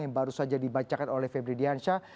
yang baru saja dibacakan oleh febri diansyah